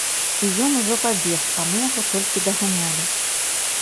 І ён ужо пабег, а мы яго толькі даганялі.